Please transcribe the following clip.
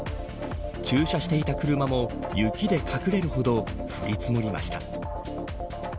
駐車していた車も雪で隠れるほど降り積もりました。